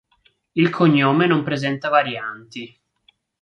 Il cognome non presenta varianti.